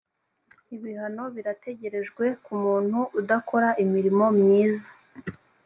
ibihano birategerejweku muntu udakora imirimo myiza